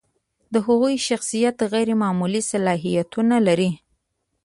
د هغوی شخصیت غیر معمولي صلاحیتونه لري.